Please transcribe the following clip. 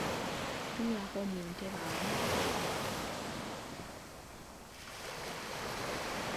Tuulako mu ntebe awo.